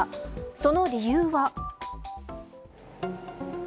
その理由は。